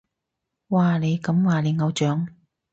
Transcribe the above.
哇，你咁話你偶像？